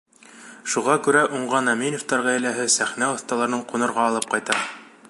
Шуға күрә уңған Әминевтәр ғаиләһе сәхнә оҫталарын ҡунырға алып ҡайта.